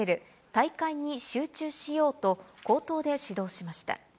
大会に集中しようと、口頭で指導しました。